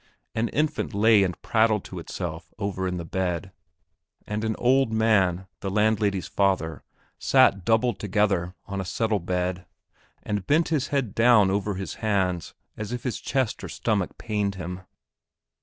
An infant lay and prattled to itself over in the bed, and an old man, the landlady's father, sat doubled together on a settle bed, and bent his head down over his hands as if his chest or stomach pained him.